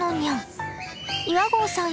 岩合さん